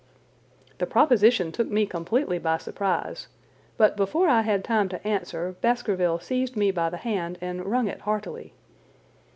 The proposition took me completely by surprise, but before I had time to answer, Baskerville seized me by the hand and wrung it heartily.